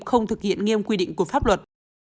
không thực hiện nghiêm quy định của pháp luật